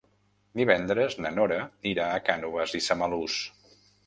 Divendres na Nora irà a Cànoves i Samalús.